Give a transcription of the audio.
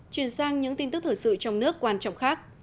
chuyển sang những tin tức thời sự trong nước quan trọng khác